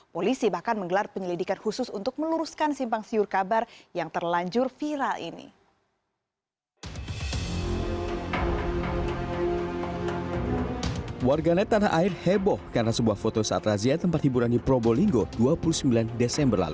polisi bahkan menggelar penyelidikan khusus untuk meluruskan simpang siur kabar yang terlanjur viral ini